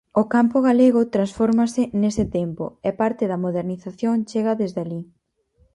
O campo galego transfórmase nese tempo, e parte da modernización chega desde alí.